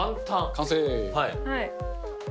完成！